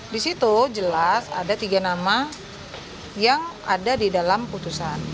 di situ jelas ada tiga nama yang ada di dalam putusan